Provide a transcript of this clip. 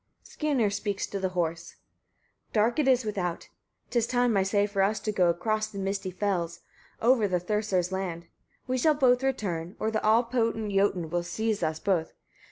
Skirnir Speaks to the Horse. 10. Dark it is without, 'tis time, I say, for us to go across the misty fells, over the Thursar's land: we shall both return, or the all potent Jotun will seize us both.